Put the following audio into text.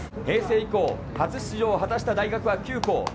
平成以降、初出場を果たした大学は９校。